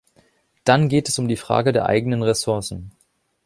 Dann geht es um die Frage der eigenen Ressourcen.